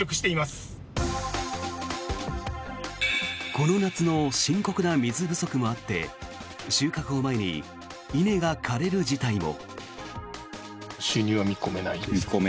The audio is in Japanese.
この夏の深刻な水不足もあって収穫を前に稲が枯れる事態も。